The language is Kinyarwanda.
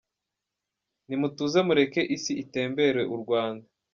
Nimutuze mureke isi itembere u Rwanda.”